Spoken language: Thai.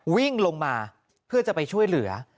วิ่งลงมาเพื่อจะไปช่วยเหลือ